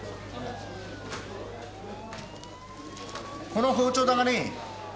この包丁だがね